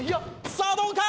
さあどうか？